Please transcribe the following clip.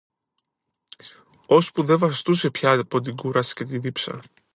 Ώσπου δε βαστούσε πια από την κούραση και τη δίψα